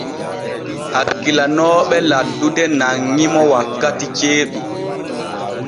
Hakkilanooɓe laddude nanŋi mo wakkati ceeɗu.